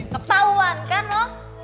ketahuan kan lo